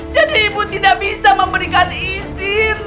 jadi ibu tidak bisa memberikan izin